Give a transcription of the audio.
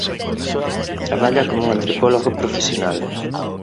Traballa como antropólogo profesional.